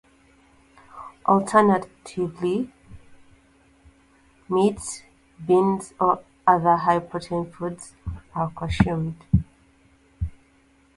Alternatively, meat, beans, or other high-protein foods are consumed.